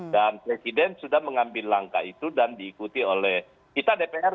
dan presiden sudah mengambil langkah itu dan diikuti oleh kita dpr